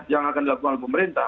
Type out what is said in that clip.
yang akan dilakukan oleh pemerintah